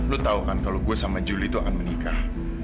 lu tahu kan kalau gue sama julie itu akan menikah